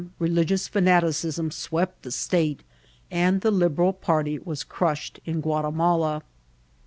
religioas fiumticism swept the state, aad the Liberd party was crashed in Guatimala.